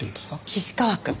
岸川くん。